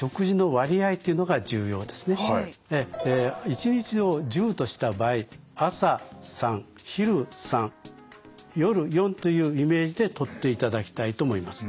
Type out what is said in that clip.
一日を１０とした場合朝３昼３夜４というイメージでとっていただきたいと思います。